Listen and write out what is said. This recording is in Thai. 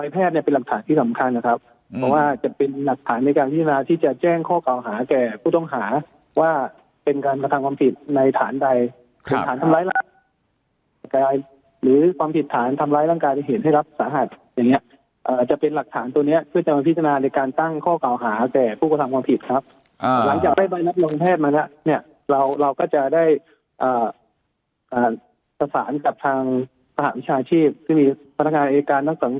เพราะว่าจะเป็นหลักฐานในการพิจารณาที่จะแจ้งข้อเก่าหาแก่ผู้ต้องหาว่าเป็นการประทางความผิดในฐานใดหรือฐานทำร้ายร่างกายหรือความผิดฐานทำร้ายร่างกายที่เห็นให้รับสาหัสอย่างเนี่ยจะเป็นหลักฐานตัวเนี่ยเพื่อจะมาพิจารณาในการตั้งข้อเก่าหาแก่ผู้กระทางความผิดครับหลังจากได้ใบรับโรงแพท